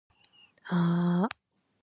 さよなら天さん